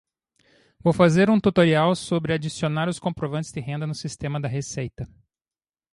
Vou fazer um tutorial sobre adicionar os comprovantes de renda no sistema da Receita